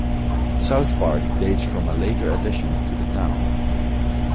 South Park dates from a later addition to the town.